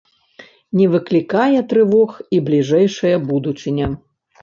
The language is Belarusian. Не выклікае трывог і бліжэйшая будучыня.